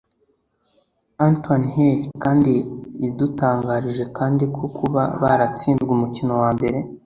Antoine Hey kandi yadutangarije kandi ko kuba baratsinzwe umukino wa mbere